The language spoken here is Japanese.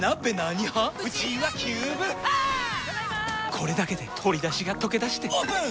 これだけで鶏だしがとけだしてオープン！